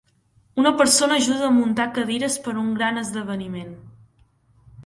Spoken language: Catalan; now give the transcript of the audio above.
Una persona ajuda a muntar cadires per a un gran esdeveniment.